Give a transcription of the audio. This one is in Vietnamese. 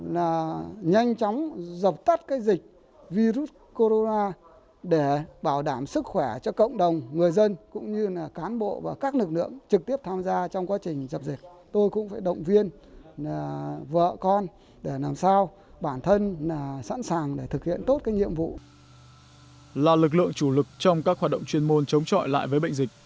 là lực lượng chủ lực trong các hoạt động chuyên môn chống trọi lại với bệnh dịch